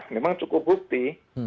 memang cukup bukti